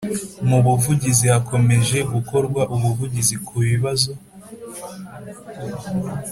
Mu buvugizi hakomeje gukorwa ubuvugizi ku bibazo .